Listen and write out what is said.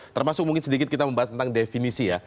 termasuk mungkin sedikit kita membahas tentang definisi ya